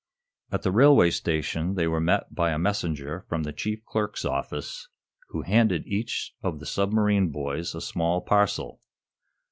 At the railway station they were met by a messenger from the chief clerk's office, who handed each of the submarine boys a small parcel.